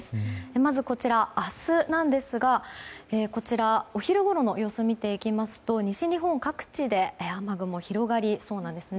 まず、こちら明日なんですがお昼ごろの様子を見ていきますと西日本各地で雨雲広がりそうなんですね。